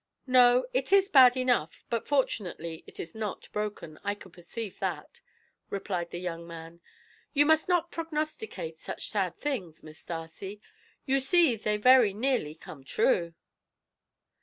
"No, it is bad enough, but fortunately it is not broken; I could perceive that," replied the young man. "You must not prognosticate such sad things, Miss Darcy; you see they very nearly come true."